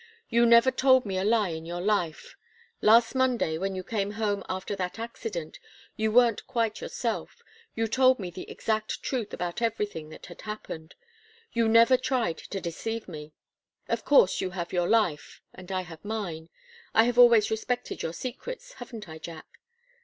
You never told me a lie in your life. Last Monday when you came home after that accident, and weren't quite yourself, you told me the exact truth about everything that had happened. You never even tried to deceive me. Of course you have your life, and I have mine. I have always respected your secrets, haven't I, Jack?"